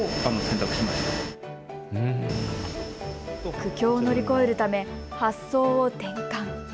苦境を乗り越えるため発想を転換。